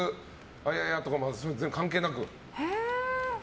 あややとかも全部関係なく？